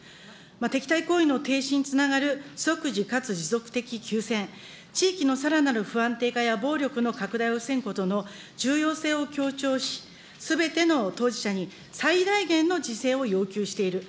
敵対行為の停止につながる即時かつ持続的休戦、地域のさらなる不安定化や暴力の拡大を防ぐことの重要性を強調し、すべての当事者に最大限の自制を要求している。